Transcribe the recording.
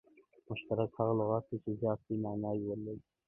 مشترک هغه لغت دئ، چي زیاتي ماناوي ولري.